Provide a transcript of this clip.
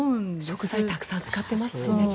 食材をたくさん使ってますしね。